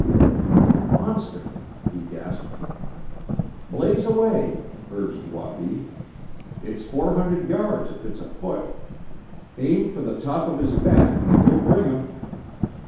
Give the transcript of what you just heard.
"What a monster!" he gasped. "Blaze away!" urged Wabi. "It's four hundred yards if it's a foot! Aim for the top of his back and you'll bring him!"